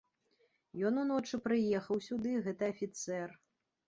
Ён уночы прыехаў сюды, гэты афіцэр.